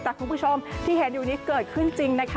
แต่คุณผู้ชมที่เห็นอยู่นี้เกิดขึ้นจริงนะคะ